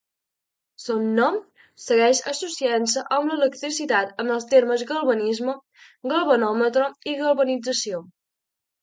Son nom segueix associant-se amb l'electricitat en els termes galvanisme, galvanòmetre i galvanització.